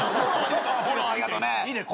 フォローありがとう。